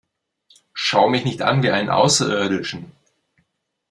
Schau mich nicht an wie einen Außerirdischen!